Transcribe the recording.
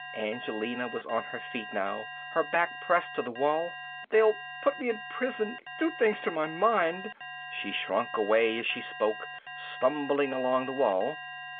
Angelina was on her feet now, her back pressed to the wall. "They'll put me in prison, do things to my mind!" She shrunk away as she spoke, stumbling along the wall.